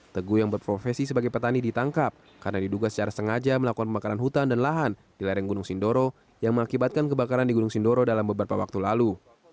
teguh yang berprofesi sebagai petani ditangkap karena diduga secara sengaja melakukan pembakaran hutan dan lahan di lereng gunung sindoro yang mengakibatkan kebakaran di gunung sindoro dalam beberapa waktu lalu